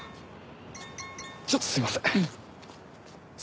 ちょっとすいません。